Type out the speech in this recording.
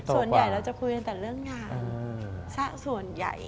ส่วนใหญ่เราจะคุยกันแต่เรื่องงานส่วนใหญ่